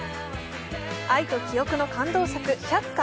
愛と記憶の感動作「百花」。